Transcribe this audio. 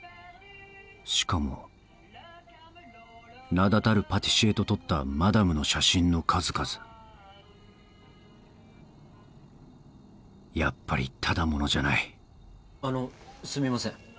しかも名だたるパティシエと撮ったマダムの写真の数々やっぱりただ者じゃないあのすみません。